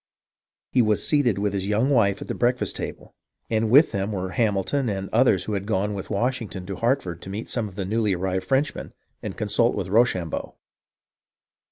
He was seated with his young wife at the breakfast table, and with them were Hamilton and others who had gone with Washington to Hartford to meet some of the newly arrived Frenchmen, and consult with Rochambeau.